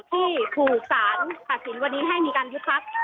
ที่ถูกสารตัดสินวันนี้ให้มีการยุบพัก